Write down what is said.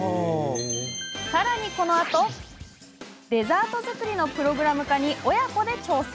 さらに、このあとデザート作りのプログラム化に親子で挑戦！